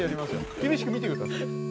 厳しく見てください。